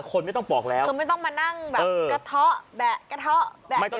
คนไม่ต้องปลอกแล้วเขาไม่ต้องมาแบบกระท๋อแบะกระท๋อแบะไม่ต้อง